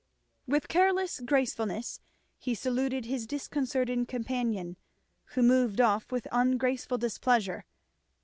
With careless gracefulness he saluted his disconcerted companion, who moved off with ungraceful displeasure.